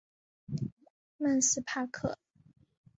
曼斯帕克。